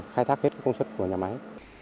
khai thác hết công suất của nhà máy